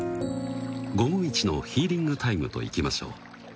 午後イチのヒーリングタイムといきましょう。